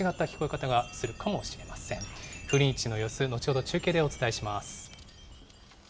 風鈴市の様子、後ほど中継でお伝えします。